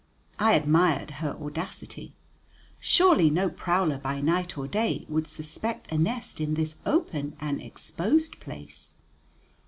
I admired her audacity. Surely no prowler by night or day would suspect a nest in this open and exposed place.